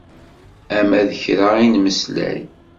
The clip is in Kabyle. Ama d kra i nemmeslay.